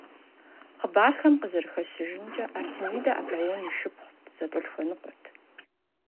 Хъыбархэм къызэрыхэщыжымкӀэ, Артемидэ Аполлон и шыпхъут, зэтӀолъхуэныкъуэт.